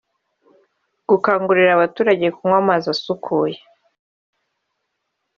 gukangurira abaturage kunywa amazi asukuye